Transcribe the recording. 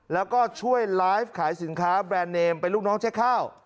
แล้วก็ช่วยไลฟ์ขายสินค้าแบรนด์เนมเป็นลูกน้องเจ๊ข้าว